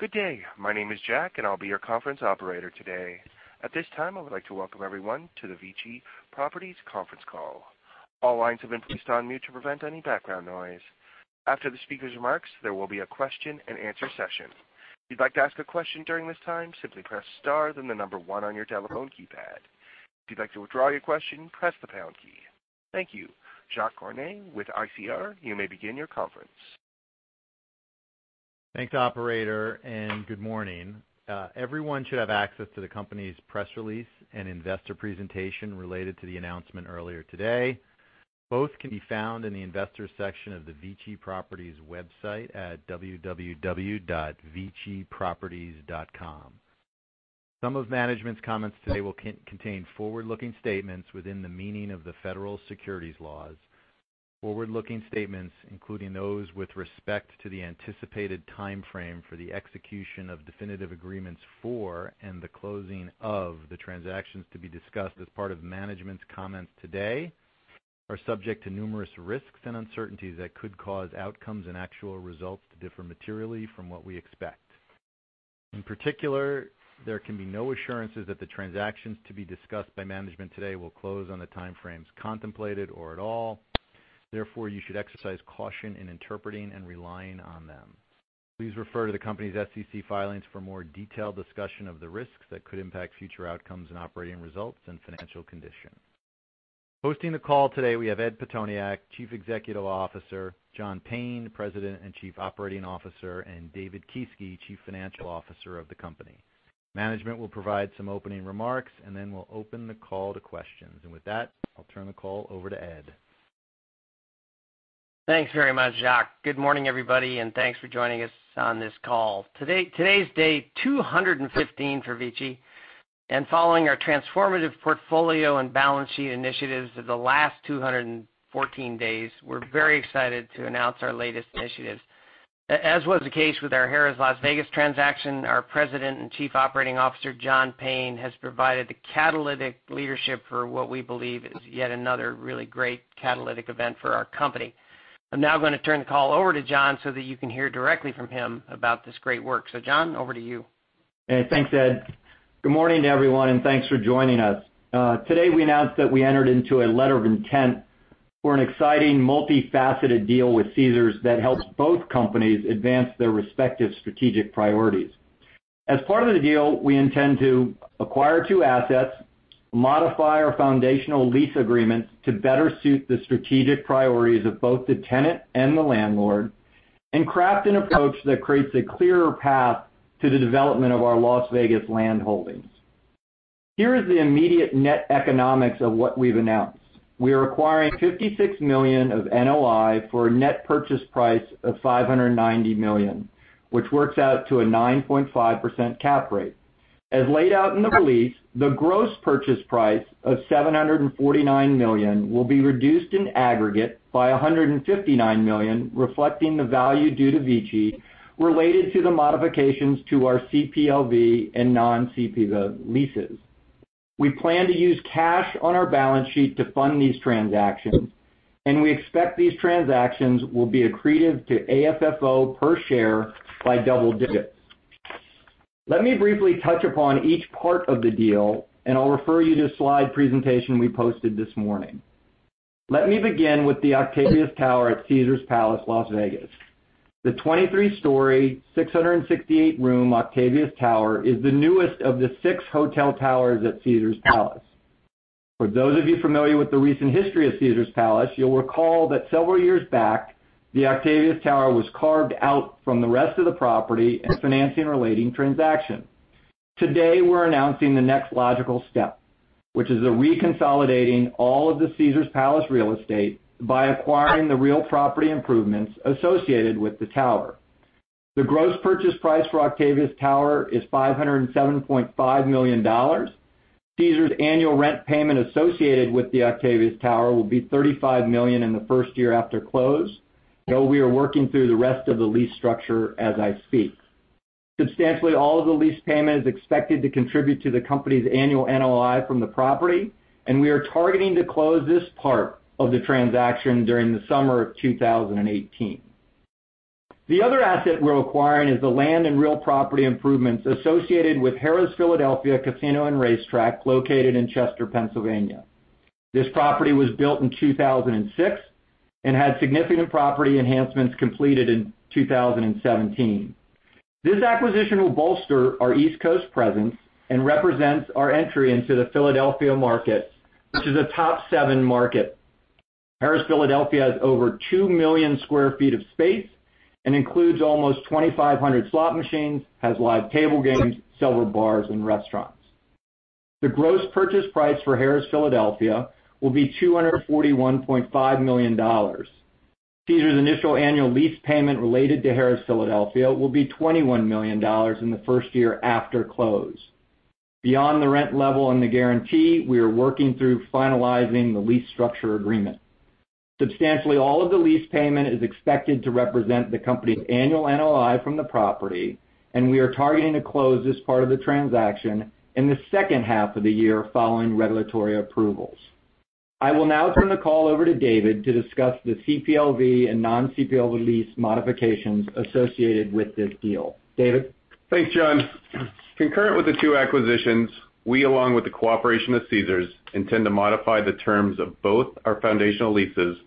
Good day. My name is Jack, and I'll be your conference operator today. At this time, I would like to welcome everyone to the VICI Properties conference call. All lines have been placed on mute to prevent any background noise. After the speaker's remarks, there will be a question and answer session. If you'd like to ask a question during this time, simply press star, then the number 1 on your telephone keypad. If you'd like to withdraw your question, press the pound key. Thank you. Jacques Cornet with ICR, you may begin your conference. Thanks, operator, and good morning. Everyone should have access to the company's press release and investor presentation related to the announcement earlier today. Both can be found in the Investors section of the VICI Properties website at www.viciproperties.com. Some of management's comments today will contain forward-looking statements within the meaning of the federal securities laws. Forward-looking statements, including those with respect to the anticipated timeframe for the execution of definitive agreements for and the closing of the transactions to be discussed as part of management's comments today, are subject to numerous risks and uncertainties that could cause outcomes and actual results to differ materially from what we expect. In particular, there can be no assurances that the transactions to be discussed by management today will close on the timeframes contemplated or at all. Therefore, you should exercise caution in interpreting and relying on them. Please refer to the company's SEC filings for a more detailed discussion of the risks that could impact future outcomes and operating results and financial condition. Hosting the call today, we have Edward Pitoniak, Chief Executive Officer, John Payne, President and Chief Operating Officer, and David Kieske, Chief Financial Officer of the company. Management will provide some opening remarks, then we'll open the call to questions. With that, I'll turn the call over to Ed. Thanks very much, Jacques. Good morning, everybody, and thanks for joining us on this call. Today's day 215 for VICI, and following our transformative portfolio and balance sheet initiatives of the last 214 days, we're very excited to announce our latest initiatives. As was the case with our Harrah's Las Vegas transaction, our President and Chief Operating Officer, John Payne, has provided the catalytic leadership for what we believe is yet another really great catalytic event for our company. I'm now going to turn the call over to John so that you can hear directly from him about this great work. John, over to you. Thanks, Ed. Good morning to everyone, and thanks for joining us. Today, we announced that we entered into a letter of intent for an exciting multifaceted deal with Caesars that helps both companies advance their respective strategic priorities. As part of the deal, we intend to acquire two assets, modify our foundational lease agreements to better suit the strategic priorities of both the tenant and the landlord, and craft an approach that creates a clearer path to the development of our Las Vegas land holdings. Here is the immediate net economics of what we've announced. We are acquiring $56 million of NOI for a net purchase price of $590 million, which works out to a 9.5% cap rate. As laid out in the release, the gross purchase price of $749 million will be reduced in aggregate by $159 million, reflecting the value due to VICI related to the modifications to our CPLV and non-CPLV leases. We plan to use cash on our balance sheet to fund these transactions, and we expect these transactions will be accretive to AFFO per share by double digits. Let me briefly touch upon each part of the deal, and I'll refer you to the slide presentation we posted this morning. Let me begin with the Octavius Tower at Caesars Palace, Las Vegas. The 23-story, 668-room Octavius Tower is the newest of the six hotel towers at Caesars Palace. For those of you familiar with the recent history of Caesars Palace, you'll recall that several years back, the Octavius Tower was carved out from the rest of the property in a financing-related transaction. Today, we're announcing the next logical step, which is reconsolidating all of the Caesars Palace real estate by acquiring the real property improvements associated with the tower. The gross purchase price for Octavius Tower is $507.5 million. Caesars' annual rent payment associated with the Octavius Tower will be $35 million in the first year after close, though we are working through the rest of the lease structure as I speak. Substantially all of the lease payment is expected to contribute to the company's annual NOI from the property, and we are targeting to close this part of the transaction during the summer of 2018. The other asset we're acquiring is the land and real property improvements associated with Harrah's Philadelphia Casino and Racetrack, located in Chester, Pennsylvania. This property was built in 2006 and had significant property enhancements completed in 2017. This acquisition will bolster our East Coast presence and represents our entry into the Philadelphia market, which is a top seven market. Harrah's Philadelphia has over 2 million square feet of space and includes almost 2,500 slot machines, has live table games, several bars, and restaurants. The gross purchase price for Harrah's Philadelphia will be $241.5 million. Caesars' initial annual lease payment related to Harrah's Philadelphia will be $21 million in the first year after close. Beyond the rent level and the guarantee, we are working through finalizing the lease structure agreement. Substantially all of the lease payment is expected to represent the company's annual NOI from the property, and we are targeting to close this part of the transaction in the second half of the year following regulatory approvals. I will now turn the call over to David to discuss the CPLV and non-CPLV lease modifications associated with this deal. David? Thanks, John. Concurrent with the two acquisitions, we, along with the cooperation of Caesars, intend to modify the terms of both our foundational leases,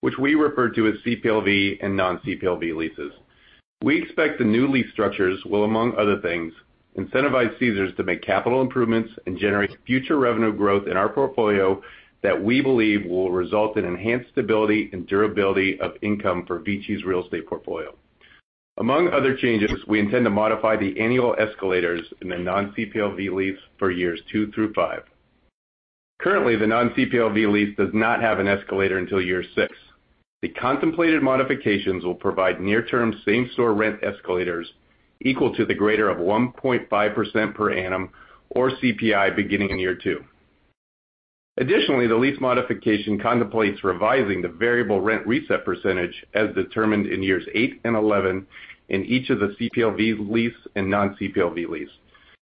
which we refer to as CPLV and non-CPLV leases. We expect the new lease structures will, among other things, incentivize Caesars to make capital improvements and generate future revenue growth in our portfolio that we believe will result in enhanced stability and durability of income for VICI's real estate portfolio. Among other changes, we intend to modify the annual escalators in the non-CPLV lease for years two through five. Currently, the non-CPLV lease does not have an escalator until year six. The contemplated modifications will provide near-term same-store rent escalators equal to the greater of 1.5% per annum or CPI beginning in year two. The lease modification contemplates revising the variable rent reset percentage as determined in years eight and 11 in each of the CPLV's lease and non-CPLV lease.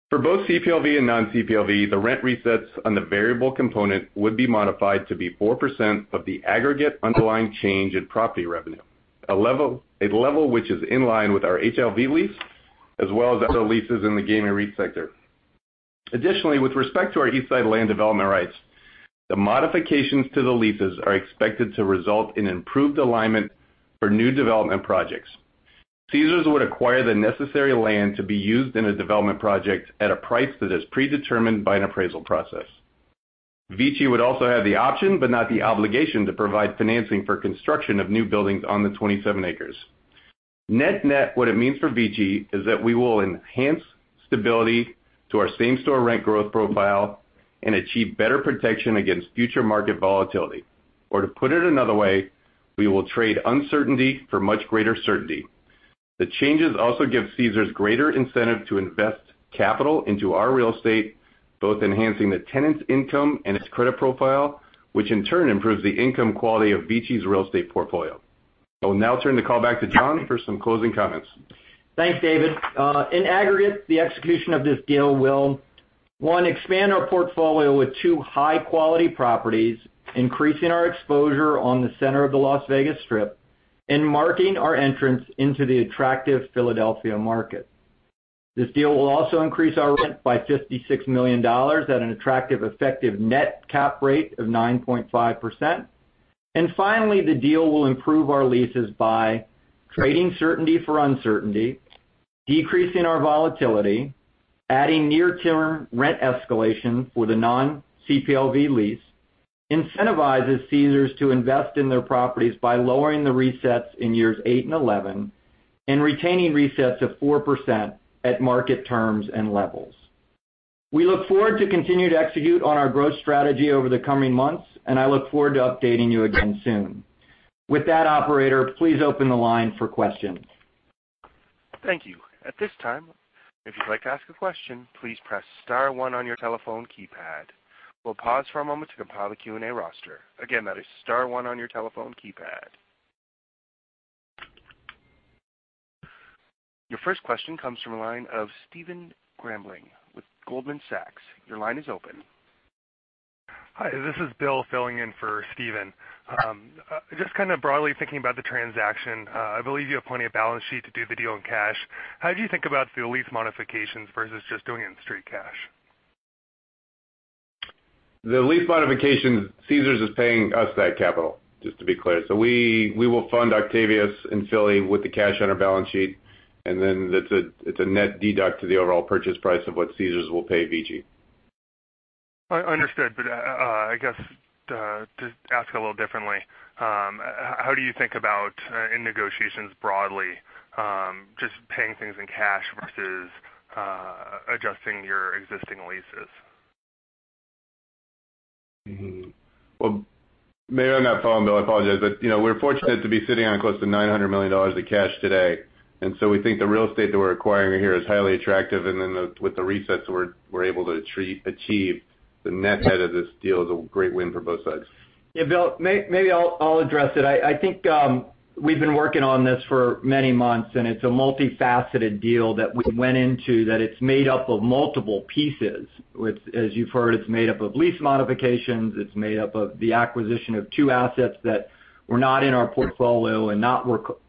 For both CPLV and non-CPLV, the rent resets on the variable component would be modified to be 4% of the aggregate underlying change in property revenue. A level which is in line with our HLV lease, as well as other leases in the gaming REIT sector. With respect to our Eastside land development rights, the modifications to the leases are expected to result in improved alignment for new development projects. Caesars would acquire the necessary land to be used in a development project at a price that is predetermined by an appraisal process. VICI would also have the option, but not the obligation, to provide financing for construction of new buildings on the 27 acres. Net-net, what it means for VICI is that we will enhance stability to our same-store rent growth profile and achieve better protection against future market volatility. To put it another way, we will trade uncertainty for much greater certainty. The changes also give Caesars greater incentive to invest capital into our real estate, both enhancing the tenant's income and its credit profile, which in turn improves the income quality of VICI's real estate portfolio. I will now turn the call back to John for some closing comments. Thanks, David. In aggregate, the execution of this deal will, one, expand our portfolio with two high-quality properties, increasing our exposure on the center of the Las Vegas Strip, and marking our entrance into the attractive Philadelphia market. This deal will also increase our rent by $56 million at an attractive effective net cap rate of 9.5%. Finally, the deal will improve our leases by trading certainty for uncertainty, decreasing our volatility, adding near-term rent escalation for the non-CPLV lease, incentivizes Caesars to invest in their properties by lowering the resets in years 8 and 11, and retaining resets of 4% at market terms and levels. We look forward to continue to execute on our growth strategy over the coming months, and I look forward to updating you again soon. With that, operator, please open the line for questions. Thank you. At this time, if you'd like to ask a question, please press *1 on your telephone keypad. We'll pause for a moment to compile the Q&A roster. Again, that is *1 on your telephone keypad. Your first question comes from the line of Stephen Grambling with Goldman Sachs. Your line is open. Hi, this is Bill filling in for Stephen. Just kind of broadly thinking about the transaction, I believe you have plenty of balance sheet to do the deal in cash. How do you think about the lease modifications versus just doing it in straight cash? The lease modifications, Caesars is paying us that capital, just to be clear. We will fund Octavius in Philly with the cash on our balance sheet, and then it's a net deduct to the overall purchase price of what Caesars will pay VICI. Understood. I guess to ask a little differently, how do you think about, in negotiations broadly, just paying things in cash versus adjusting your existing leases? Well, maybe I'm not following, Bill, I apologize, but we're fortunate to be sitting on close to $900 million of cash today. We think the real estate that we're acquiring here is highly attractive, and then with the resets we're able to achieve, the net effect of this deal is a great win for both sides. Yeah, Bill, maybe I'll address it. I think we've been working on this for many months. It's a multifaceted deal that we went into, that it's made up of multiple pieces. As you've heard, it's made up of lease modifications, it's made up of the acquisition of two assets that were not in our portfolio and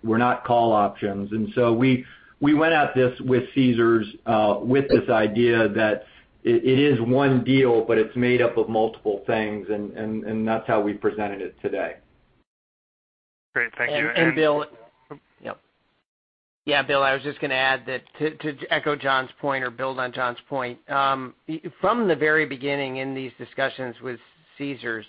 were not call options. We went at this with Caesars with this idea that it is one deal, but it's made up of multiple things, and that's how we presented it today. Great. Thank you. Bill. Yeah. Yeah, Bill, I was just going to add that to echo John's point or build on John's point. From the very beginning in these discussions with Caesars,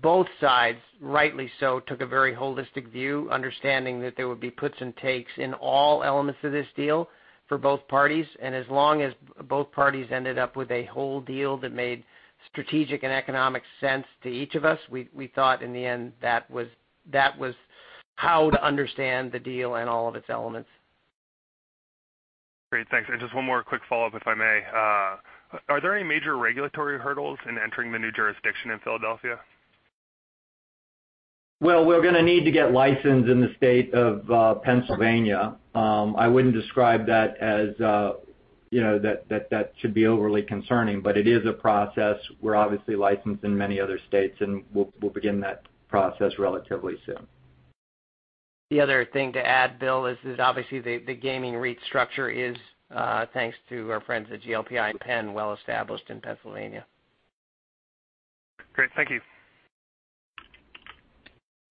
both sides, rightly so, took a very holistic view, understanding that there would be puts and takes in all elements of this deal for both parties, and as long as both parties ended up with a whole deal that made strategic and economic sense to each of us, we thought in the end, that was how to understand the deal and all of its elements. Great, thanks. Just one more quick follow-up, if I may. Are there any major regulatory hurdles in entering the new jurisdiction in Philadelphia? Well, we're going to need to get licensed in the state of Pennsylvania. I wouldn't describe that as that should be overly concerning, but it is a process. We're obviously licensed in many other states, and we'll begin that process relatively soon. The other thing to add, Bill, is that obviously the gaming REIT structure is, thanks to our friends at GLPI and Penn, well-established in Pennsylvania. Great. Thank you.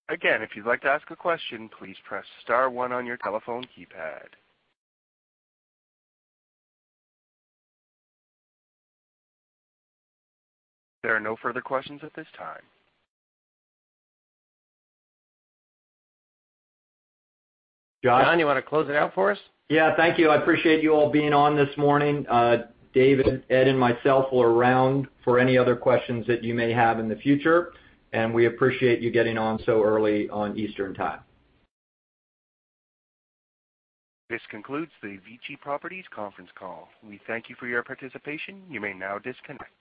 Again, if you'd like to ask a question, please press *1 on your telephone keypad. There are no further questions at this time. John, you want to close it out for us? thank you. I appreciate you all being on this morning. David, Ed, and myself are around for any other questions that you may have in the future. We appreciate you getting on so early on Eastern Time. This concludes the VICI Properties conference call. We thank you for your participation. You may now disconnect.